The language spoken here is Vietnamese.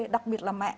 đặc biệt là mẹ